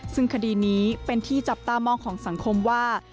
ซึ่งคดีนี้เป็นที่จับตามองของสังคมว่า